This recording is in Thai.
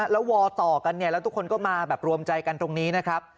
แล้ววอต่อกันเนี่ยแล้วทุกคนก็มาแบบรวมใจกันตรงนี้นะครับ